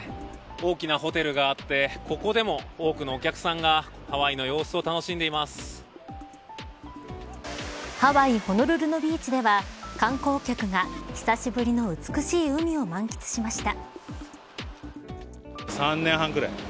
大きなホテルがあってここでも多くのお客さんがハワイ、ホノルルのビーチでは観光客が久しぶりの美しい海を満喫しました。